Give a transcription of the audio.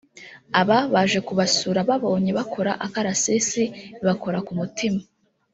Aba baje kubasura bababonye bakora akarasisi bibakora ku mutima